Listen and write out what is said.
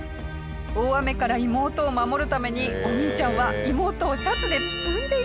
大雨から妹を守るためにお兄ちゃんは妹をシャツで包んでいたんです。